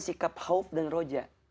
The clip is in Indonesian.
sikap khawf dan roja